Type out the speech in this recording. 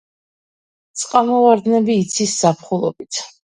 წყალმოვარდნები იცის ზაფხულობით.